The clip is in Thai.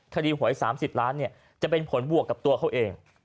หวย๓๐ล้านจะเป็นผลบวกกับตัวเขาเอง